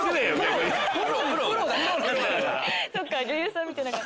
そっか！